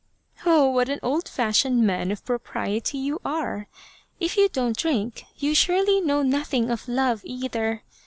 " Oh, what an old fashioned man of propriety you are ! If you don't drink, you surely know nothing of love either.